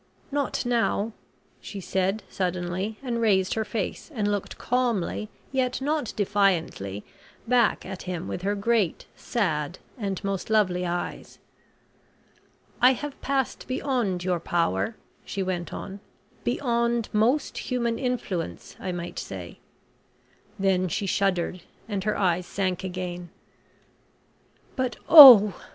"Not now," she said, suddenly, and raised her face and looked calmly, yet not defiantly, back at him with her great, sad, and most lovely eyes. "I have passed beyond your power," she went on. "Beyond most human influence, I might say " then she shuddered and her eyes sank again. "But oh!"